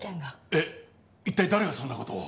えっ一体誰がそんな事を？